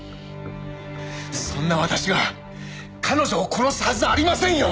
そんな私が彼女を殺すはずありませんよ！